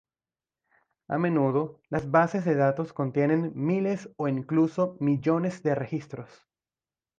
A menudo las bases de datos contienen miles o incluso millones de registros.